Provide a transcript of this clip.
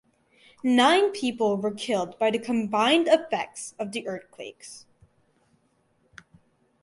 Nine people were killed by the combined effects of the earthquakes.